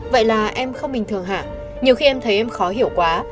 vậy là em không bình thường hạ nhiều khi em thấy em khó hiểu quá